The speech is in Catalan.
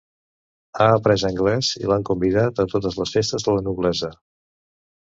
Ha après anglès i l'han convidat a totes les festes de la noblesa.